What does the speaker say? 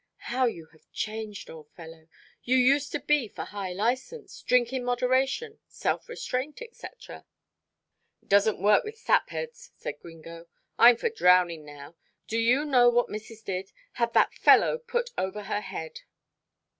"How you have changed, old fellow. You used to be for high license, drink in moderation, self restraint, etc." "It doesn't work with sap heads," said Gringo. "I'm for drowning now. Do you know what missis did had that fellow put over her head."